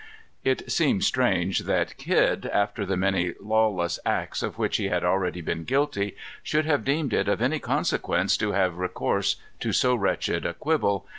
It seems strange that Kidd, after the many lawless acts of which he had already been guilty, should have deemed it of any consequence to have recourse to so wretched a quibble.